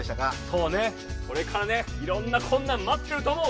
そうねこれからねいろんなこんなんまってると思う。